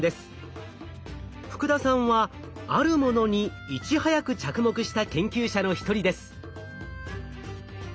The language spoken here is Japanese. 福田さんはあるものにいち早く着目した研究者の一人です。